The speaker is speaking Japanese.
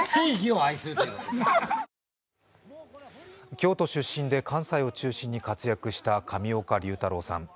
京都出身で関西を中心に活躍した上岡龍太郎さん。